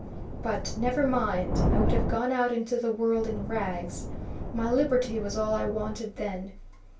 But never mind! I would have gone out into the world in rags my liberty was all I wanted then.